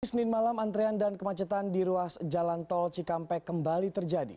senin malam antrean dan kemacetan di ruas jalan tol cikampek kembali terjadi